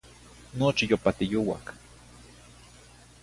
Nochi yopatiouac.